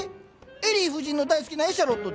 エリー夫人の大好きなエシャロットでは？